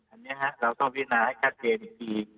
อันนี้เราต้องพินาให้กัดเกณฑ์อีกที